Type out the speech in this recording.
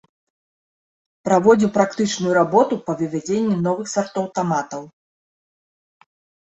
Праводзіў практычную работу па вывядзенні новых сартоў таматаў.